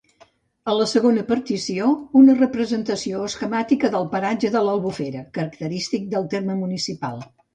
A la segona partició, una representació esquemàtica del paratge de l'Albufera, característic del terme municipal.